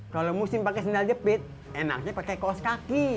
kalo musim pake sendal jepit enaknya pake kaos kaki